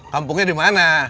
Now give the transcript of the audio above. kampungnya di mana